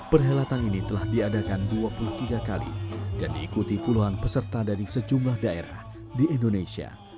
perhelatan ini telah diadakan dua puluh tiga kali dan diikuti puluhan peserta dari sejumlah daerah di indonesia